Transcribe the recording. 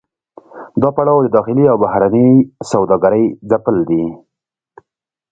دا پړاو د داخلي او بهرنۍ سوداګرۍ ځپل دي